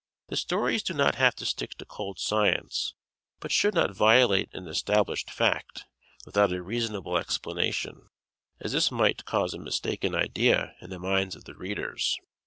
The stories do not have to stick to cold science, but should not violate an established fact without a reasonable explanation, as this might cause a mistaken idea in the minds of the readers.